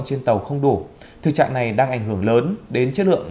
trên tàu không đủ thực trạng này đang ảnh hưởng lớn đến chất lượng